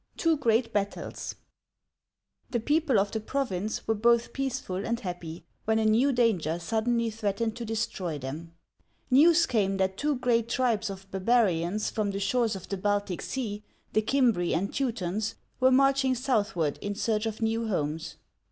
TWO GREAT BATTLES THE people of the Province were both peaceful and happy, when a new danger suddenly threatened to destroy them. News came that two great tribes of bar barians from the shores of the Baltic Sea — the Cim'bri Digitized by Google ROMANS AND GAULS 25 and Teu'tons — were marching southward in search of new homes.